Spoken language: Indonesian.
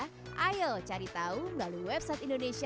ingin tahu lebih banyak destinasi wisata lain yang dimiliki indonesia